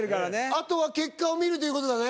あとは結果を見るということだね。